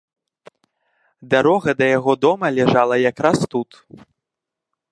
Дарога да яго дома ляжала якраз тут.